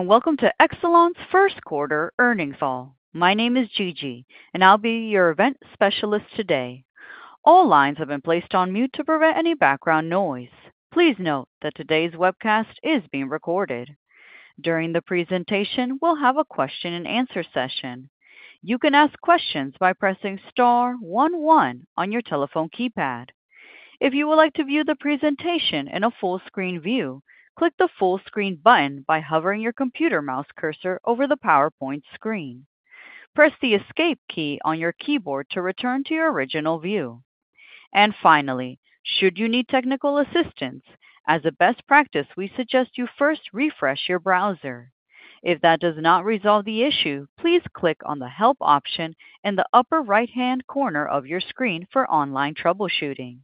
Welcome to Exelon's first quarter earnings call. My name is Gigi, and I'll be your event specialist today. All lines have been placed on mute to prevent any background noise. Please note that today's webcast is being recorded. During the presentation, we'll have a question-and-answer session. You can ask questions by pressing star one one on your telephone keypad. If you would like to view the presentation in a full-screen view, click the Full Screen button by hovering your computer mouse cursor over the PowerPoint screen. Press the Escape key on your keyboard to return to your original view. Finally, should you need technical assistance, as a best practice we suggest you first refresh your browser. If that does not resolve the issue, please click on the Help option in the upper right-hand corner of your screen for online troubleshooting.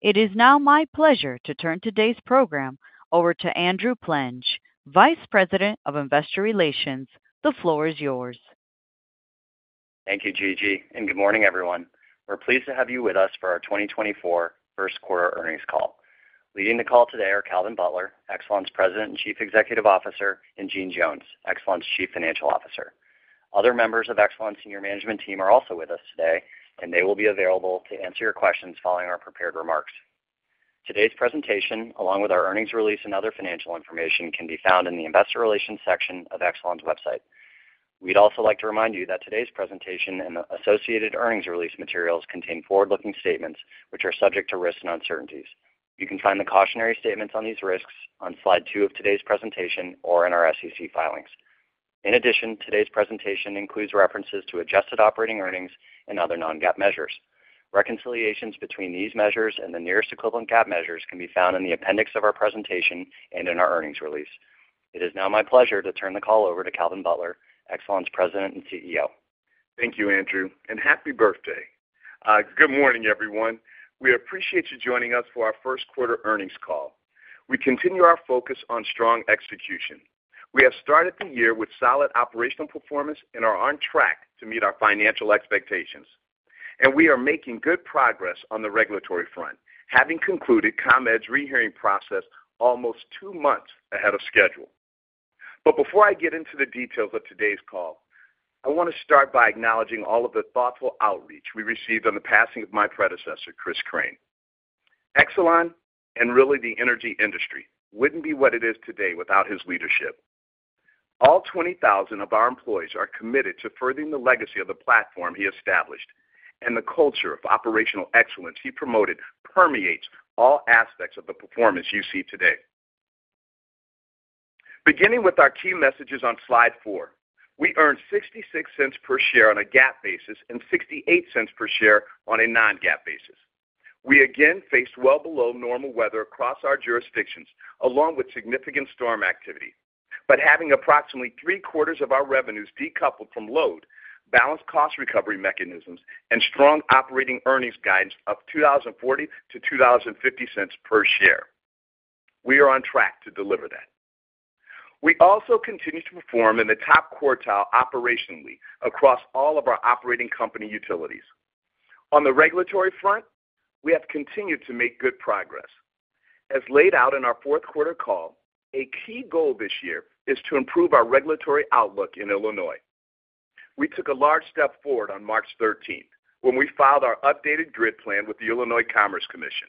It is now my pleasure to turn today's program over to Andrew Plenge, Vice President of Investor Relations. The floor is yours. Thank you, Gigi, and good morning, everyone. We're pleased to have you with us for our 2024 first quarter earnings call. Leading the call today are Calvin Butler, Exelon's President and Chief Executive Officer, and Jeanne Jones, Exelon's Chief Financial Officer. Other members of Exelon's senior management team are also with us today, and they will be available to answer your questions following our prepared remarks. Today's presentation, along with our earnings release and other financial information, can be found in the Investor Relations section of Exelon's website. We'd also like to remind you that today's presentation and the associated earnings release materials contain forward-looking statements which are subject to risks and uncertainties. You can find the cautionary statements on these risks on slide 2 of today's presentation or in our SEC filings. In addition, today's presentation includes references to adjusted operating earnings and other non-GAAP measures. Reconciliations between these measures and the nearest equivalent GAAP measures can be found in the appendix of our presentation and in our earnings release. It is now my pleasure to turn the call over to Calvin Butler, Exelon's President and CEO. Thank you, Andrew, and happy birthday. Good morning, everyone. We appreciate you joining us for our first quarter earnings call. We continue our focus on strong execution. We have started the year with solid operational performance and are on track to meet our financial expectations. We are making good progress on the regulatory front, having concluded ComEd's rehearing process almost two months ahead of schedule. But before I get into the details of today's call, I want to start by acknowledging all of the thoughtful outreach we received on the passing of my predecessor, Chris Crane. Exelon, and really the energy industry, wouldn't be what it is today without his leadership. All 20,000 of our employees are committed to furthering the legacy of the platform he established, and the culture of operational excellence he promoted permeates all aspects of the performance you see today. Beginning with our key messages on slide 4, we earned $0.66 per share on a GAAP basis and $0.68 per share on a non-GAAP basis. We again faced well below normal weather across our jurisdictions, along with significant storm activity. But having approximately three-quarters of our revenues decoupled from load, balanced cost recovery mechanisms, and strong operating earnings guidance of $20.40-$20.50 per share, we are on track to deliver that. We also continue to perform in the top quartile operationally across all of our operating company utilities. On the regulatory front, we have continued to make good progress. As laid out in our fourth quarter call, a key goal this year is to improve our regulatory outlook in Illinois. We took a large step forward on March 13 when we filed our updated grid plan with the Illinois Commerce Commission.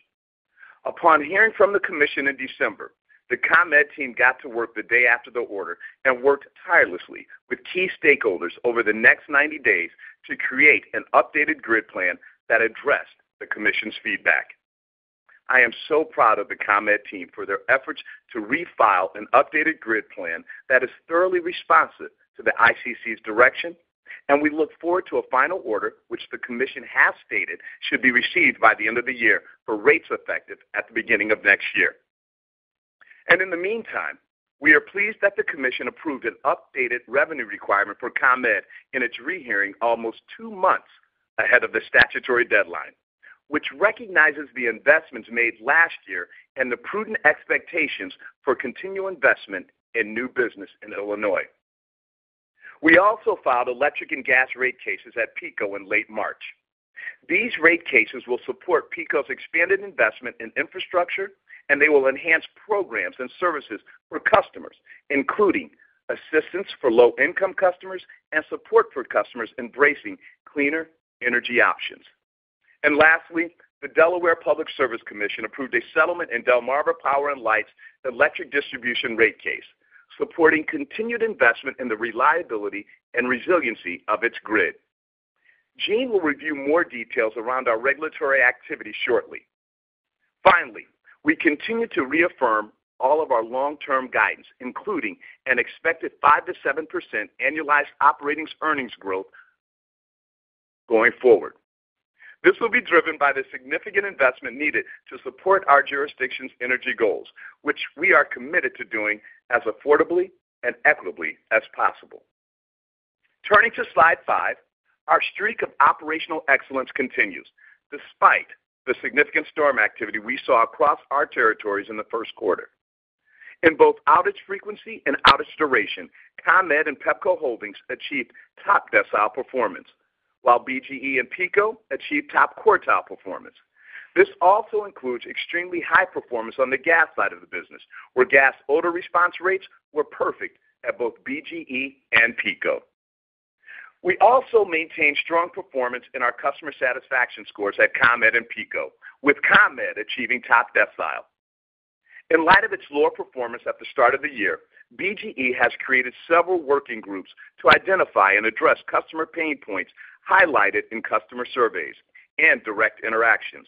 Upon hearing from the Commission in December, the ComEd team got to work the day after the order and worked tirelessly with key stakeholders over the next 90 days to create an updated grid plan that addressed the Commission's feedback. I am so proud of the ComEd team for their efforts to refile an updated grid plan that is thoroughly responsive to the ICC's direction, and we look forward to a final order which the Commission has stated should be received by the end of the year for rates effective at the beginning of next year. In the meantime, we are pleased that the Commission approved an updated revenue requirement for ComEd in its rehearing almost two months ahead of the statutory deadline, which recognizes the investments made last year and the prudent expectations for continual investment in new business in Illinois. We also filed electric and gas rate cases at PECO in late March. These rate cases will support PECO's expanded investment in infrastructure, and they will enhance programs and services for customers, including assistance for low-income customers and support for customers embracing cleaner energy options. Lastly, the Delaware Public Service Commission approved a settlement in Delmarva Power & Light's electric distribution rate case, supporting continued investment in the reliability and resiliency of its grid. Jeanne will review more details around our regulatory activity shortly. Finally, we continue to reaffirm all of our long-term guidance, including an expected 5%-7% annualized operating earnings growth going forward. This will be driven by the significant investment needed to support our jurisdiction's energy goals, which we are committed to doing as affordably and equitably as possible. Turning to slide 5, our streak of operational excellence continues despite the significant storm activity we saw across our territories in the first quarter. In both outage frequency and outage duration, ComEd and Pepco Holdings achieved top decile performance, while BGE and PECO achieved top quartile performance. This also includes extremely high performance on the gas side of the business, where gas odor response rates were perfect at both BGE and PECO. We also maintained strong performance in our customer satisfaction scores at ComEd and PECO, with ComEd achieving top decile. In light of its lower performance at the start of the year, BGE has created several working groups to identify and address customer pain points highlighted in customer surveys and direct interactions.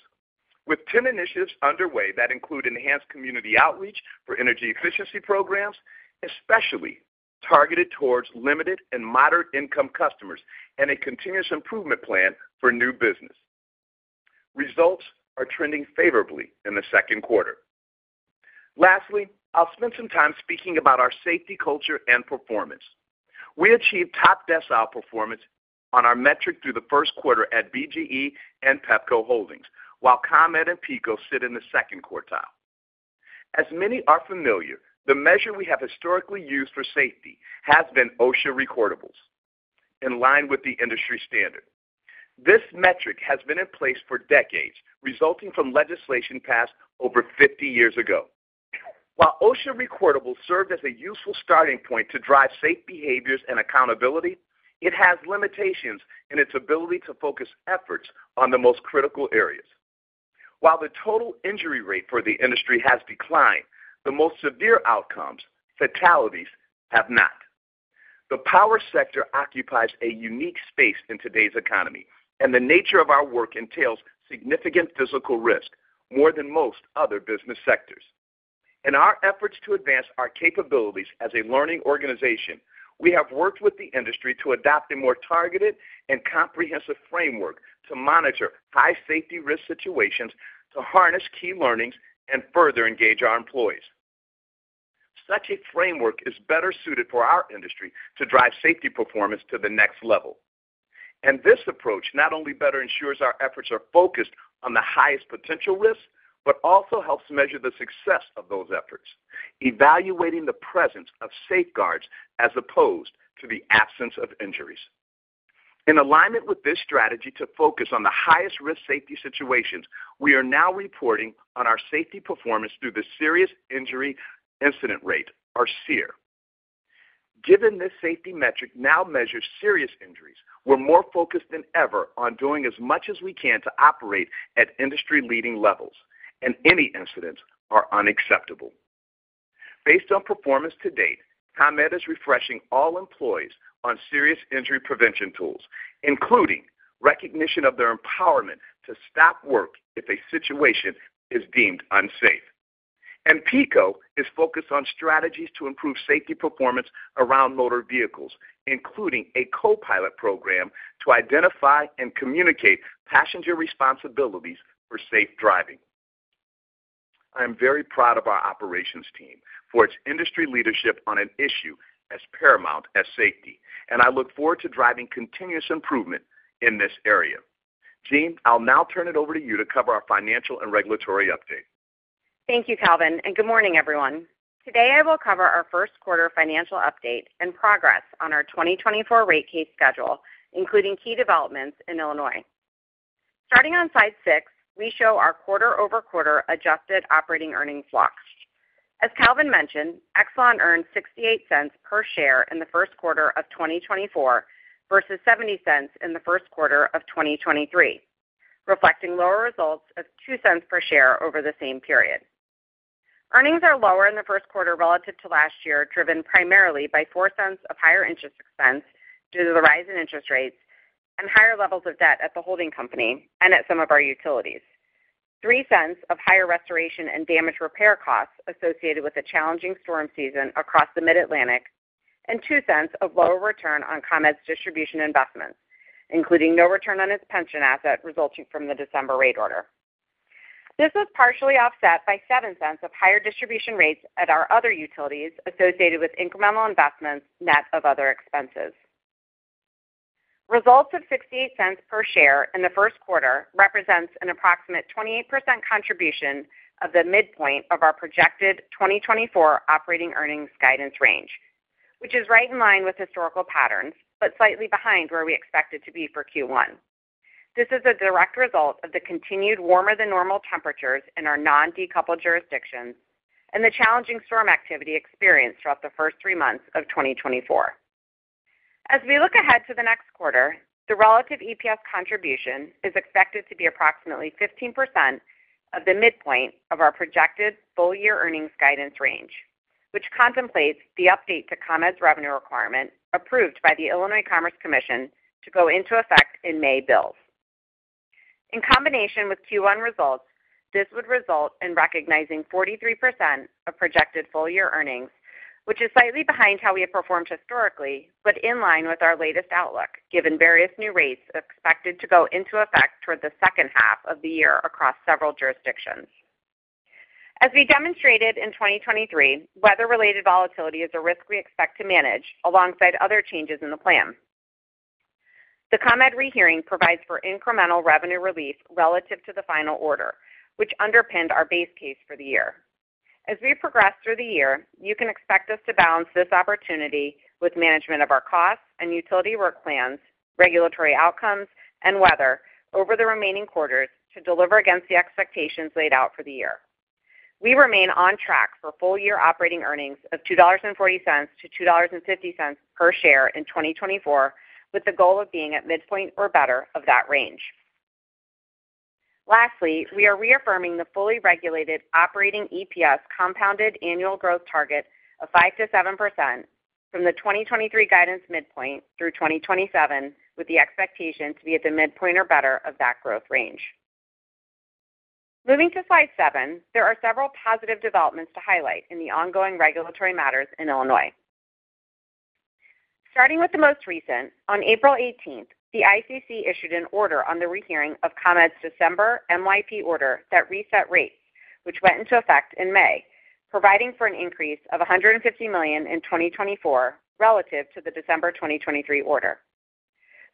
With 10 initiatives underway that include enhanced community outreach for energy efficiency programs, especially targeted towards limited and moderate-income customers, and a continuous improvement plan for new business, results are trending favorably in the second quarter. Lastly, I'll spend some time speaking about our safety culture and performance. We achieved top decile performance on our metric through the first quarter at BGE and Pepco Holdings, while ComEd and PECO sit in the second quartile. As many are familiar, the measure we have historically used for safety has been OSHA recordables, in line with the industry standard. This metric has been in place for decades, resulting from legislation passed over 50 years ago. While OSHA recordables serve as a useful starting point to drive safe behaviors and accountability, it has limitations in its ability to focus efforts on the most critical areas. While the total injury rate for the industry has declined, the most severe outcomes, fatalities, have not. The power sector occupies a unique space in today's economy, and the nature of our work entails significant physical risk more than most other business sectors. In our efforts to advance our capabilities as a learning organization, we have worked with the industry to adopt a more targeted and comprehensive framework to monitor high safety risk situations, to harness key learnings, and further engage our employees. Such a framework is better suited for our industry to drive safety performance to the next level. This approach not only better ensures our efforts are focused on the highest potential risks but also helps measure the success of those efforts, evaluating the presence of safeguards as opposed to the absence of injuries. In alignment with this strategy to focus on the highest-risk safety situations, we are now reporting on our safety performance through the Serious Injury Incident Rate, or SIIR. Given this safety metric now measures serious injuries, we're more focused than ever on doing as much as we can to operate at industry-leading levels, and any incidents are unacceptable. Based on performance to date, ComEd is refreshing all employees on serious injury prevention tools, including recognition of their empowerment to stop work if a situation is deemed unsafe. PECO is focused on strategies to improve safety performance around motor vehicles, including a co-pilot program to identify and communicate passenger responsibilities for safe driving. I am very proud of our operations team for its industry leadership on an issue as paramount as safety, and I look forward to driving continuous improvement in this area. Jeanne, I'll now turn it over to you to cover our financial and regulatory update. Thank you, Calvin, and good morning, everyone. Today I will cover our first quarter financial update and progress on our 2024 rate case schedule, including key developments in Illinois. Starting on slide 6, we show our quarter-over-quarter adjusted operating earnings flux. As Calvin mentioned, Exelon earned $0.68 per share in the first quarter of 2024 versus $0.70 in the first quarter of 2023, reflecting lower results of $0.02 per share over the same period. Earnings are lower in the first quarter relative to last year, driven primarily by $0.04 of higher interest expense due to the rise in interest rates and higher levels of debt at the holding company and at some of our utilities, $0.03 of higher restoration and damage repair costs associated with a challenging storm season across the Mid-Atlantic, and $0.02 of lower return on ComEd's distribution investments, including no return on its pension asset resulting from the December rate order. This was partially offset by $0.07 of higher distribution rates at our other utilities associated with incremental investments net of other expenses. Results of $0.68 per share in the first quarter represent an approximate 28% contribution of the midpoint of our projected 2024 operating earnings guidance range, which is right in line with historical patterns but slightly behind where we expected to be for Q1. This is a direct result of the continued warmer-than-normal temperatures in our non-decoupled jurisdictions and the challenging storm activity experienced throughout the first three months of 2024. As we look ahead to the next quarter, the relative EPS contribution is expected to be approximately 15% of the midpoint of our projected full-year earnings guidance range, which contemplates the update to ComEd's revenue requirement approved by the Illinois Commerce Commission to go into effect in May bills. In combination with Q1 results, this would result in recognizing 43% of projected full-year earnings, which is slightly behind how we have performed historically but in line with our latest outlook, given various new rates expected to go into effect toward the second half of the year across several jurisdictions. As we demonstrated in 2023, weather-related volatility is a risk we expect to manage alongside other changes in the plan. The ComEd rehearing provides for incremental revenue relief relative to the final order, which underpinned our base case for the year. As we progress through the year, you can expect us to balance this opportunity with management of our costs and utility work plans, regulatory outcomes, and weather over the remaining quarters to deliver against the expectations laid out for the year. We remain on track for full-year operating earnings of $2.40-$2.50 per share in 2024, with the goal of being at midpoint or better of that range. Lastly, we are reaffirming the fully regulated operating EPS compounded annual growth target of 5%-7% from the 2023 guidance midpoint through 2027, with the expectation to be at the midpoint or better of that growth range. Moving to slide 7, there are several positive developments to highlight in the ongoing regulatory matters in Illinois. Starting with the most recent, on April 18, the ICC issued an order on the rehearing of ComEd's December MYP order that reset rates, which went into effect in May, providing for an increase of $150 million in 2024 relative to the December 2023 order.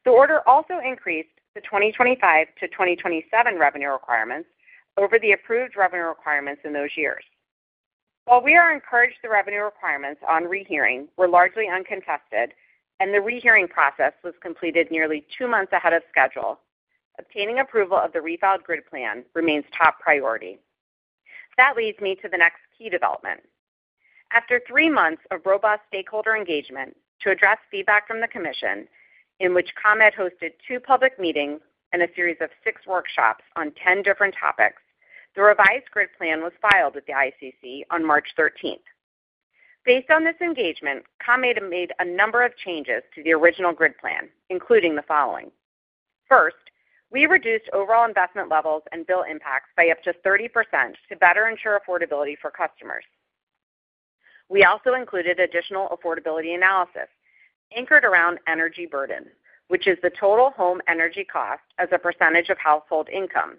The order also increased the 2025 to 2027 revenue requirements over the approved revenue requirements in those years. While we are encouraged the revenue requirements on rehearing were largely uncontested and the rehearing process was completed nearly two months ahead of schedule, obtaining approval of the refiled grid plan remains top priority. That leads me to the next key development. After three months of robust stakeholder engagement to address feedback from the Commission, in which ComEd hosted two public meetings and a series of six workshops on 10 different topics, the revised grid plan was filed with the ICC on March 13. Based on this engagement, ComEd made a number of changes to the original grid plan, including the following: first, we reduced overall investment levels and bill impacts by up to 30% to better ensure affordability for customers. We also included additional affordability analysis anchored around energy burden, which is the total home energy cost as a percentage of household income,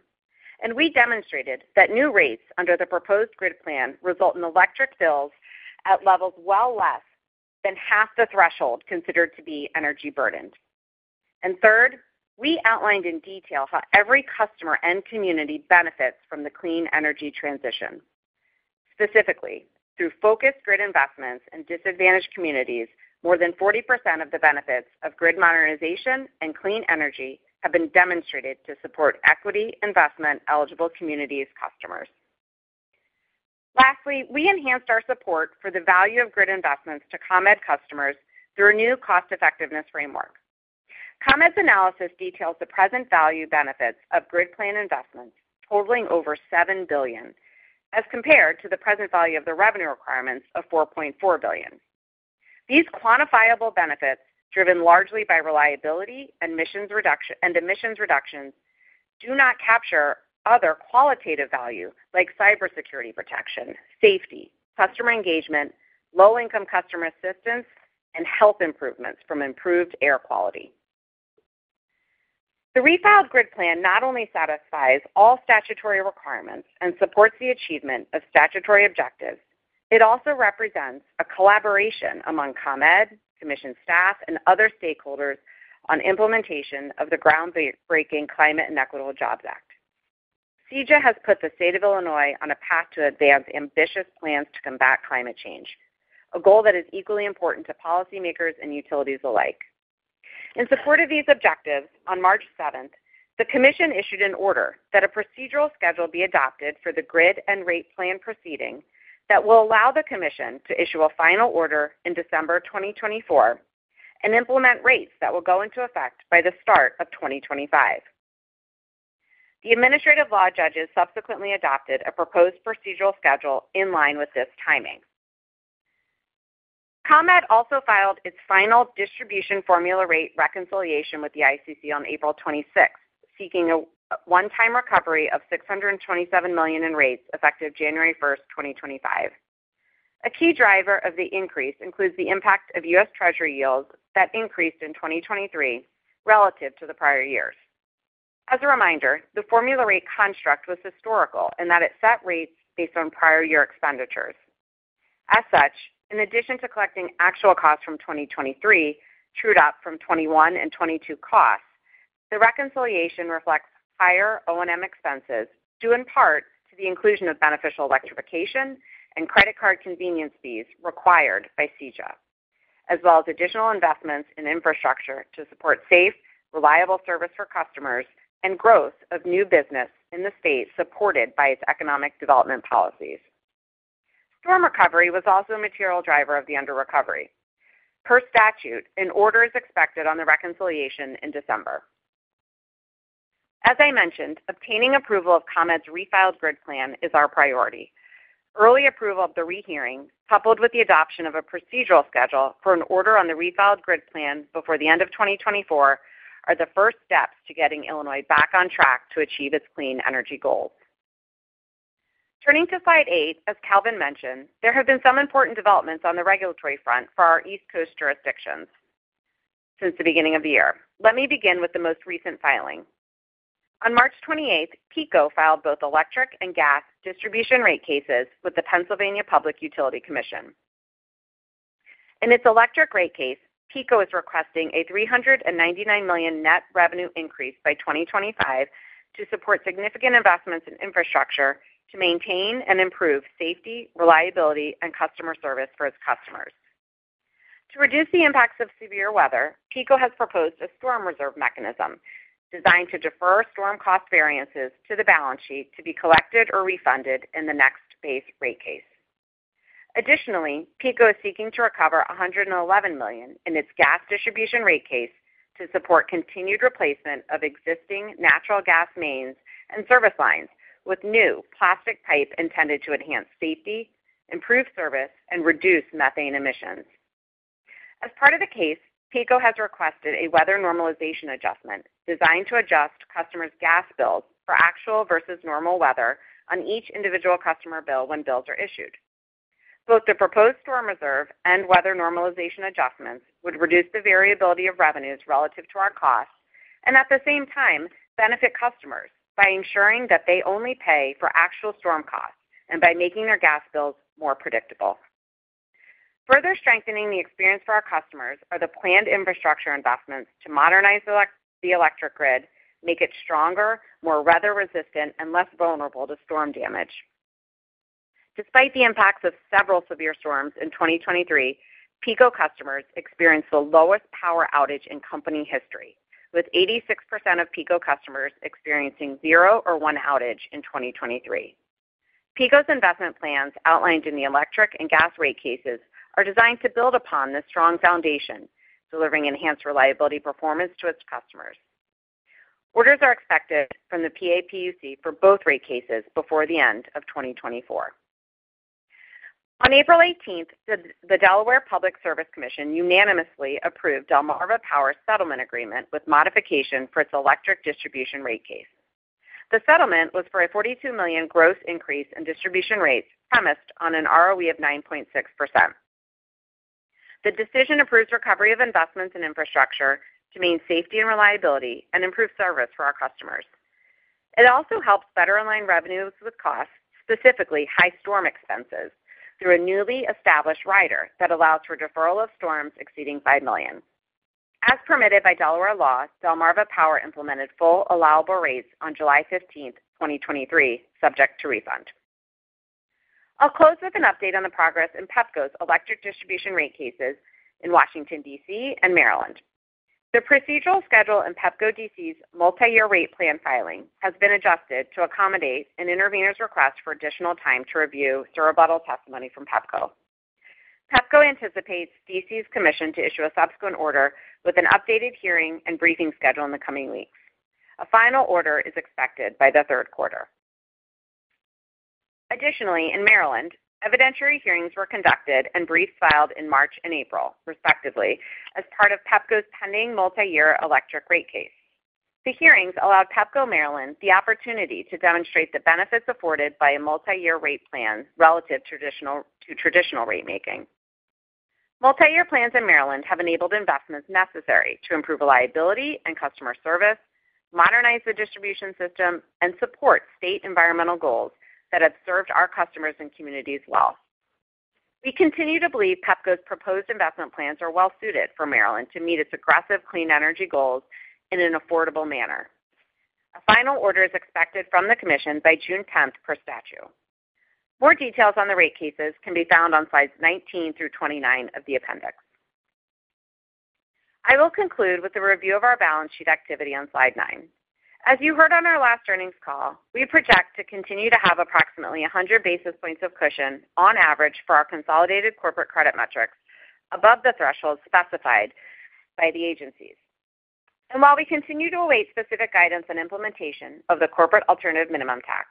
and we demonstrated that new rates under the proposed grid plan result in electric bills at levels well less than half the threshold considered to be energy burdened. Third, we outlined in detail how every customer and community benefits from the clean energy transition. Specifically, through focused grid investments in disadvantaged communities, more than 40% of the benefits of grid modernization and clean energy have been demonstrated to support Equity Investment Eligible Communities' customers. Lastly, we enhanced our support for the value of grid investments to ComEd customers through a new cost-effectiveness framework. ComEd's analysis details the present value benefits of grid plan investments, totaling over $7 billion, as compared to the present value of the revenue requirements of $4.4 billion. These quantifiable benefits, driven largely by reliability and emissions reductions, do not capture other qualitative value like cybersecurity protection, safety, customer engagement, low-income customer assistance, and health improvements from improved air quality. The refiled grid plan not only satisfies all statutory requirements and supports the achievement of statutory objectives, it also represents a collaboration among ComEd, Commission staff, and other stakeholders on implementation of the groundbreaking Climate and Equitable Jobs Act. CEJA has put the state of Illinois on a path to advance ambitious plans to combat climate change, a goal that is equally important to policymakers and utilities alike. In support of these objectives, on March 7, the Commission issued an order that a procedural schedule be adopted for the grid and rate plan proceeding that will allow the Commission to issue a final order in December 2024 and implement rates that will go into effect by the start of 2025. The administrative law judges subsequently adopted a proposed procedural schedule in line with this timing. ComEd also filed its final distribution formula rate reconciliation with the ICC on April 26, seeking a one-time recovery of $627 million in rates effective January 1, 2025. A key driver of the increase includes the impact of U.S. Treasury yields that increased in 2023 relative to the prior years. As a reminder, the formula rate construct was historical in that it set rates based on prior year expenditures. As such, in addition to collecting actual costs from 2023 trued up from 2021 and 2022 costs, the reconciliation reflects higher O&M expenses due in part to the inclusion of beneficial electrification and credit card convenience fees required by CEJA, as well as additional investments in infrastructure to support safe, reliable service for customers and growth of new business in the state supported by its economic development policies. Storm recovery was also a material driver of the under-recovery. Per statute, an order is expected on the reconciliation in December. As I mentioned, obtaining approval of ComEd's refiled grid plan is our priority. Early approval of the rehearing, coupled with the adoption of a procedural schedule for an order on the refiled grid plan before the end of 2024, are the first steps to getting Illinois back on track to achieve its clean energy goals. Turning to slide 8, as Calvin mentioned, there have been some important developments on the regulatory front for our East Coast jurisdictions since the beginning of the year. Let me begin with the most recent filing. On March 28, PECO filed both electric and gas distribution rate cases with the Pennsylvania Public Utility Commission. In its electric rate case, PECO is requesting a $399 million net revenue increase by 2025 to support significant investments in infrastructure to maintain and improve safety, reliability, and customer service for its customers. To reduce the impacts of severe weather, PECO has proposed a storm reserve mechanism designed to defer storm cost variances to the balance sheet to be collected or refunded in the next base rate case. Additionally, PECO is seeking to recover $111 million in its gas distribution rate case to support continued replacement of existing natural gas mains and service lines with new plastic pipe intended to enhance safety, improve service, and reduce methane emissions. As part of the case, PECO has requested a weather normalization adjustment designed to adjust customers' gas bills for actual versus normal weather on each individual customer bill when bills are issued. Both the proposed storm reserve and weather normalization adjustments would reduce the variability of revenues relative to our costs and, at the same time, benefit customers by ensuring that they only pay for actual storm costs and by making their gas bills more predictable. Further strengthening the experience for our customers are the planned infrastructure investments to modernize the electric grid, make it stronger, more weather-resistant, and less vulnerable to storm damage. Despite the impacts of several severe storms in 2023, PECO customers experienced the lowest power outage in company history, with 86% of PECO customers experiencing zero or one outage in 2023. PECO's investment plans outlined in the electric and gas rate cases are designed to build upon this strong foundation, delivering enhanced reliability performance to its customers. Orders are expected from the PAPUC for both rate cases before the end of 2024. On April 18, the Delaware Public Service Commission unanimously approved Delmarva Power's settlement agreement with modification for its electric distribution rate case. The settlement was for a $42 million gross increase in distribution rates premised on an ROE of 9.6%. The decision approves recovery of investments in infrastructure to maintain safety and reliability and improve service for our customers. It also helps better align revenues with costs, specifically high storm expenses, through a newly established rider that allows for deferral of storms exceeding $5 million. As permitted by Delaware law, Delmarva Power implemented full allowable rates on July 15, 2023, subject to refund. I'll close with an update on the progress in Pepco's electric distribution rate cases in Washington, D.C., and Maryland. The procedural schedule in Pepco, D.C.'s multi-year rate plan filing has been adjusted to accommodate an intervenor's request for additional time to review rebuttal testimony from Pepco. Pepco anticipates D.C.'s Commission to issue a subsequent order with an updated hearing and briefing schedule in the coming weeks. A final order is expected by the third quarter. Additionally, in Maryland, evidentiary hearings were conducted and briefs filed in March and April, respectively, as part of Pepco's pending multi-year electric rate case. The hearings allowed Pepco, Maryland, the opportunity to demonstrate the benefits afforded by a multi-year rate plan relative to traditional rate making. Multi-year plans in Maryland have enabled investments necessary to improve reliability and customer service, modernize the distribution system, and support state environmental goals that have served our customers and communities well. We continue to believe Pepco's proposed investment plans are well-suited for Maryland to meet its aggressive clean energy goals in an affordable manner. A final order is expected from the Commission by June 10, per statute. More details on the rate cases can be found on slides 19 through 29 of the appendix. I will conclude with the review of our balance sheet activity on slide 9. As you heard on our last earnings call, we project to continue to have approximately 100 basis points of cushion, on average, for our consolidated corporate credit metrics above the thresholds specified by the agencies. While we continue to await specific guidance on implementation of the corporate alternative minimum tax,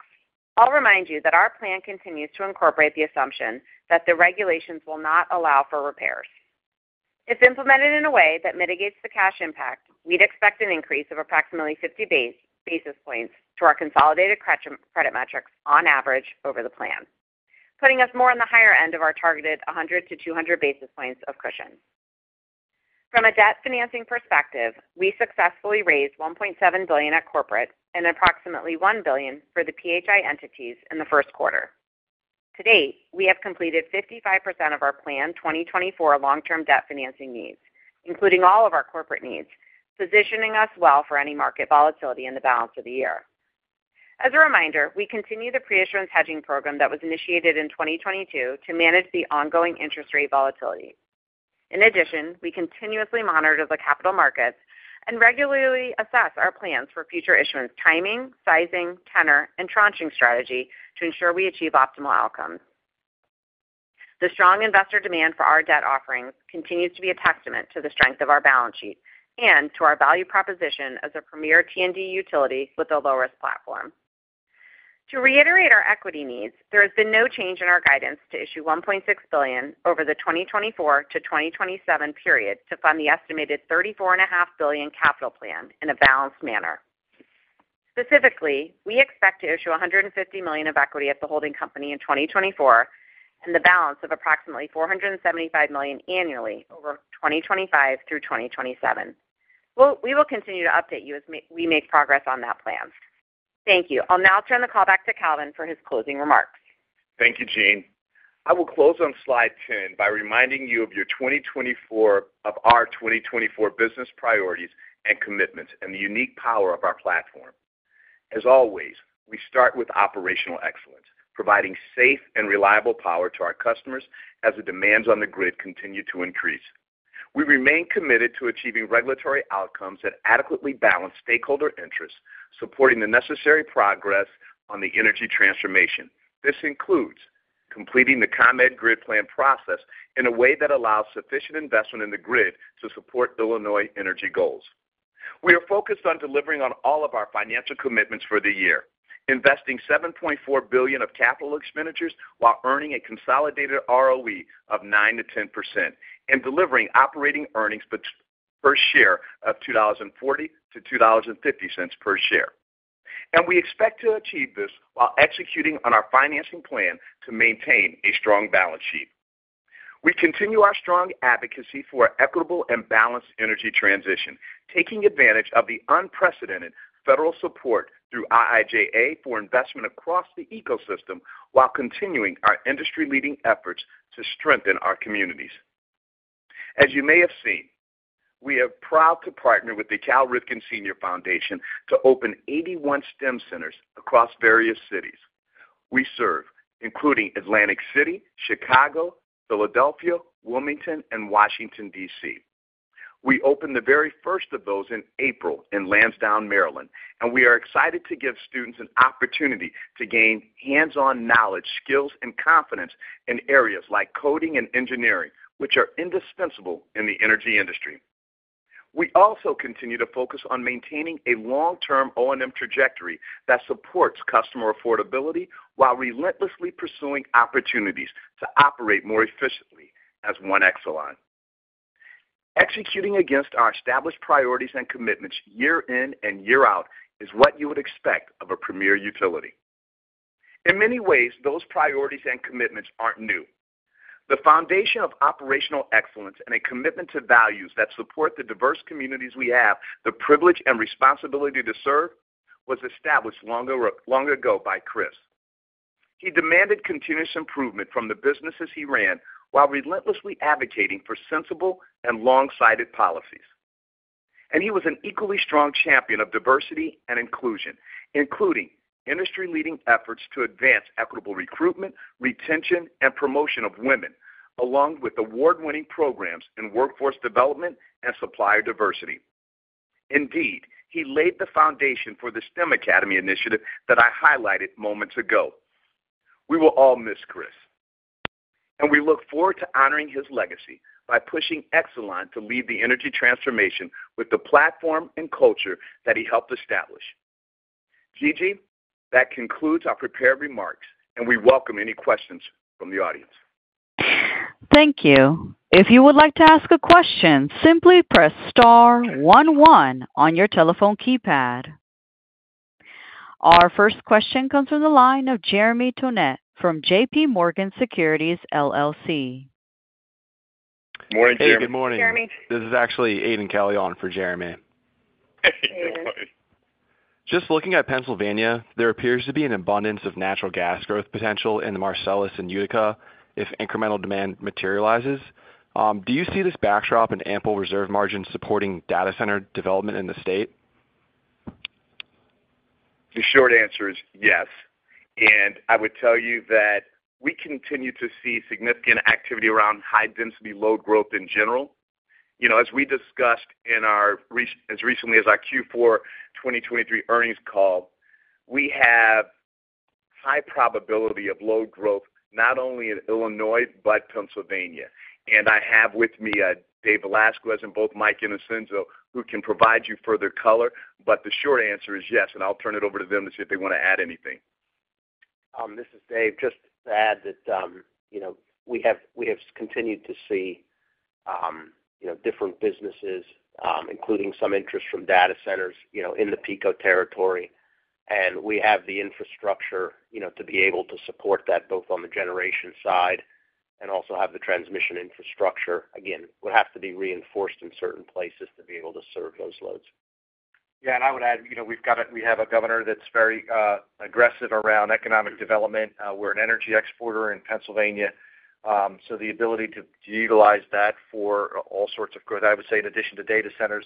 I'll remind you that our plan continues to incorporate the assumption that the regulations will not allow for repairs. If implemented in a way that mitigates the cash impact, we'd expect an increase of approximately 50 basis points to our consolidated credit metrics, on average, over the plan, putting us more on the higher end of our targeted 100 to 200 basis points of cushion. From a debt financing perspective, we successfully raised $1.7 billion at corporate and approximately $1 billion for the PHI entities in the first quarter. To date, we have completed 55% of our planned 2024 long-term debt financing needs, including all of our corporate needs, positioning us well for any market volatility in the balance of the year. As a reminder, we continue the pre-issuance hedging program that was initiated in 2022 to manage the ongoing interest rate volatility. In addition, we continuously monitor the capital markets and regularly assess our plans for future issuance timing, sizing, tenor, and tranching strategy to ensure we achieve optimal outcomes. The strong investor demand for our debt offerings continues to be a testament to the strength of our balance sheet and to our value proposition as a premier T&D utility with the low-risk platform. To reiterate our equity needs, there has been no change in our guidance to issue $1.6 billion over the 2024 to 2027 period to fund the estimated $34.5 billion capital plan in a balanced manner. Specifically, we expect to issue $150 million of equity at the holding company in 2024 and the balance of approximately $475 million annually over 2025 through 2027. We will continue to update you as we make progress on that plan. Thank you. I'll now turn the call back to Calvin for his closing remarks. Thank you, Jeanne. I will close on slide 10 by reminding you of our 2024 business priorities and commitments and the unique power of our platform. As always, we start with operational excellence, providing safe and reliable power to our customers as the demands on the grid continue to increase. We remain committed to achieving regulatory outcomes that adequately balance stakeholder interests, supporting the necessary progress on the energy transformation. This includes completing the ComEd grid plan process in a way that allows sufficient investment in the grid to support Illinois energy goals. We are focused on delivering on all of our financial commitments for the year, investing $7.4 billion of capital expenditures while earning a consolidated ROE of 9%-10% and delivering operating earnings per share of $2.40-$2.50 per share. We expect to achieve this while executing on our financing plan to maintain a strong balance sheet. We continue our strong advocacy for an equitable and balanced energy transition, taking advantage of the unprecedented federal support through IIJA for investment across the ecosystem while continuing our industry-leading efforts to strengthen our communities. As you may have seen, we are proud to partner with the Cal Ripken, Sr. Foundation to open 81 STEM centers across various cities we serve, including Atlantic City, Chicago, Philadelphia, Wilmington, and Washington, D.C. We opened the very first of those in April in Lansdowne, Maryland, and we are excited to give students an opportunity to gain hands-on knowledge, skills, and confidence in areas like coding and engineering, which are indispensable in the energy industry. We also continue to focus on maintaining a long-term O&M trajectory that supports customer affordability while relentlessly pursuing opportunities to operate more efficiently as One Exelon. Executing against our established priorities and commitments year in and year out is what you would expect of a premier utility. In many ways, those priorities and commitments aren't new. The foundation of operational excellence and a commitment to values that support the diverse communities we have, the privilege and responsibility to serve, was established long ago by Chris. He demanded continuous improvement from the businesses he ran while relentlessly advocating for sensible and long-sighted policies. And he was an equally strong champion of diversity and inclusion, including industry-leading efforts to advance equitable recruitment, retention, and promotion of women, along with award-winning programs in workforce development and supplier diversity. Indeed, he laid the foundation for the STEM Academy initiative that I highlighted moments ago. We will all miss Chris, and we look forward to honoring his legacy by pushing Exelon to lead the energy transformation with the platform and culture that he helped establish. Gigi, that concludes our prepared remarks, and we welcome any questions from the audience. Thank you. If you would like to ask a question, simply press star one one on your telephone keypad. Our first question comes from the line of Jeremy Tonet from JP Morgan Securities, LLC. Morning, Jeremy. Hey, good morning. Jeremy. This is actually Aidan Calleo for Jeremy. Hey, good morning. Just looking at Pennsylvania, there appears to be an abundance of natural gas growth potential in the Marcellus and Utica if incremental demand materializes. Do you see this backdrop and ample reserve margins supporting data center development in the state? The short answer is yes. And I would tell you that we continue to see significant activity around high-density load growth in general. As we discussed in our, as recently as our Q4 2023 earnings call, we have high probability of load growth not only in Illinois but Pennsylvania. And I have with me David Velazquez and both Mike Innocenzo, who can provide you further color, but the short answer is yes, and I'll turn it over to them to see if they want to add anything. This is Dave. Just to add that we have continued to see different businesses, including some interest from data centers in the PECO territory, and we have the infrastructure to be able to support that both on the generation side and also have the transmission infrastructure. Again, would have to be reinforced in certain places to be able to serve those loads. Yeah, and I would add we have a governor that's very aggressive around economic development. We're an energy exporter in Pennsylvania, so the ability to utilize that for all sorts of growth. I would say in addition to data centers,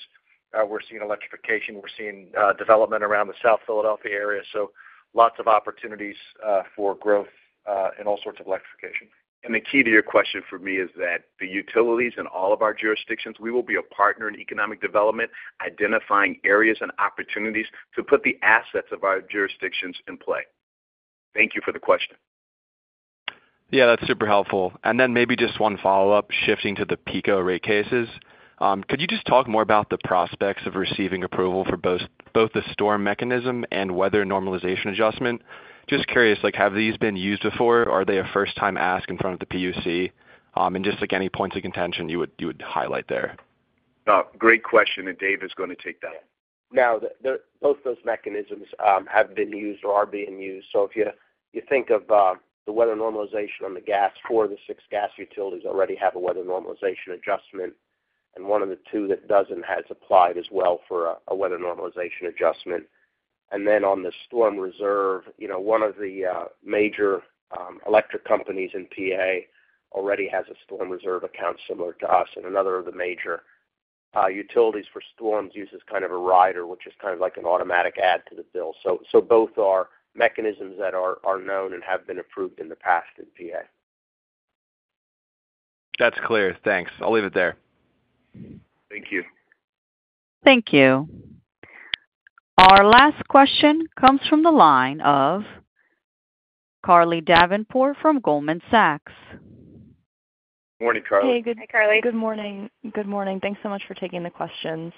we're seeing electrification. We're seeing development around the South Philadelphia area, so lots of opportunities for growth in all sorts of electrification. The key to your question for me is that the utilities in all of our jurisdictions, we will be a partner in economic development identifying areas and opportunities to put the assets of our jurisdictions in play. Thank you for the question. Yeah, that's super helpful. And then maybe just one follow-up shifting to the PECO rate cases. Could you just talk more about the prospects of receiving approval for both the storm mechanism and weather normalization adjustment? Just curious, have these been used before? Are they a first-time ask in front of the PUC? And just any points of contention you would highlight there. Great question, and Dave is going to take that. Now, both those mechanisms have been used or are being used. So if you think of the weather normalization on the gas, four of the six gas utilities already have a weather normalization adjustment, and one of the two that doesn't has applied as well for a weather normalization adjustment. And then on the storm reserve, one of the major electric companies in PA already has a storm reserve account similar to us, and another of the major utilities for storms uses kind of a rider, which is kind of like an automatic add to the bill. So both are mechanisms that are known and have been approved in the past in PA. That's clear. Thanks. I'll leave it there. Thank you. Thank you. Our last question comes from the line of Carly Davenport from Goldman Sachs. Morning, Carly. Hey, good morning, Carly. Hey, Carly. Good morning. Good morning. Thanks so much for taking the questions.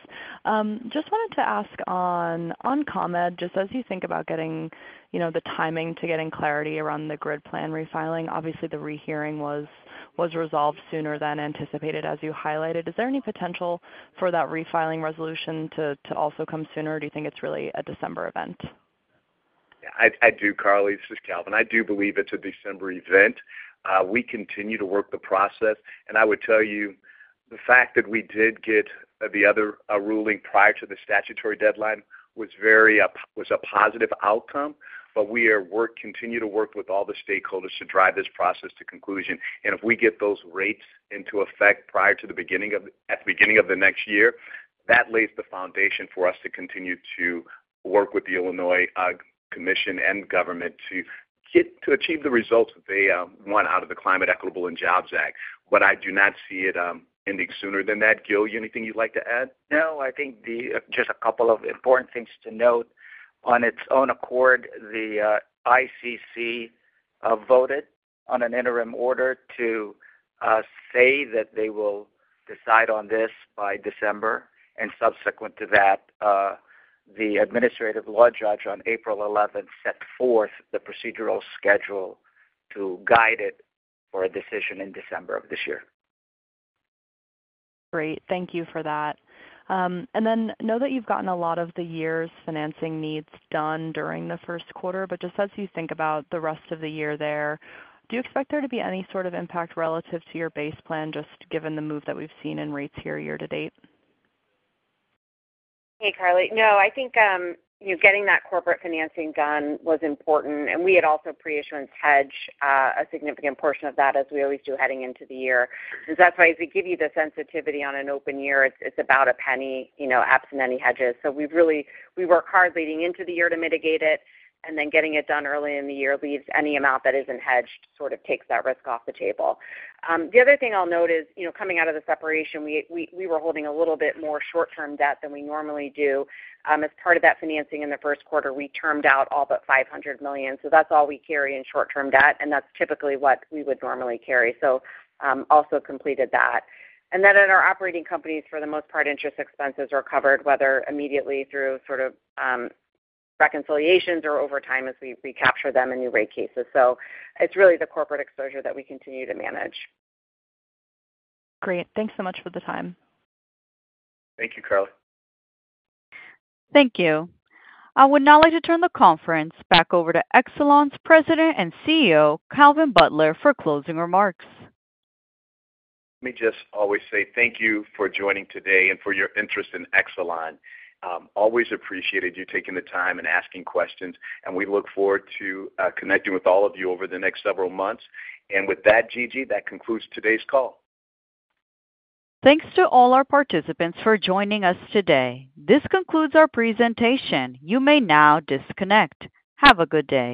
Just wanted to ask on ComEd, just as you think about getting the timing to getting clarity around the grid plan refiling, obviously, the rehearing was resolved sooner than anticipated, as you highlighted. Is there any potential for that refiling resolution to also come sooner, or do you think it's really a December event? Yeah, I do, Carly. This is Calvin. I do believe it's a December event. We continue to work the process, and I would tell you, the fact that we did get the other ruling prior to the statutory deadline was a positive outcome, but we continue to work with all the stakeholders to drive this process to conclusion. And if we get those rates into effect prior to the beginning of the next year, that lays the foundation for us to continue to work with the Illinois Commission and government to achieve the results they want out of the Climate and Equitable Jobs Act. But I do not see it ending sooner than that. Dave, anything you'd like to add? No, I think just a couple of important things to note. On its own accord, the ICC voted on an interim order to say that they will decide on this by December, and subsequent to that, the administrative law judge on April 11th set forth the procedural schedule to guide it for a decision in December of this year. Great. Thank you for that. And then know that you've gotten a lot of the year's financing needs done during the first quarter, but just as you think about the rest of the year there, do you expect there to be any sort of impact relative to your base plan, just given the move that we've seen in rates here year to date? Hey, Carly. No, I think getting that corporate financing done was important, and we had also pre-issuance hedged a significant portion of that, as we always do heading into the year. And so that's why, as we give you the sensitivity on an open year, it's about $0.01 absent any hedges. So we work hard leading into the year to mitigate it, and then getting it done early in the year leaves any amount that isn't hedged sort of takes that risk off the table. The other thing I'll note is coming out of the separation, we were holding a little bit more short-term debt than we normally do. As part of that financing in the first quarter, we termed out all but $500 million. So that's all we carry in short-term debt, and that's typically what we would normally carry. So also completed that. And then at our operating companies, for the most part, interest expenses are covered, whether immediately through sort of reconciliations or over time as we recapture them in new rate cases. So it's really the corporate exposure that we continue to manage. Great. Thanks so much for the time. Thank you, Carly. Thank you. I would now like to turn the conference back over to Exelon's President and CEO, Calvin Butler, for closing remarks. Let me just always say thank you for joining today and for your interest in Exelon. Always appreciated you taking the time and asking questions, and we look forward to connecting with all of you over the next several months. And with that, Gigi, that concludes today's call. Thanks to all our participants for joining us today. This concludes our presentation. You may now disconnect. Have a good day.